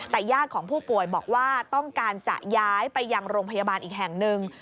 แต่ญาติของผู้ป่วยบอกว่าต้องการจะย้ายไปยังโรงพยาบาลอีกแห่งหนึ่ง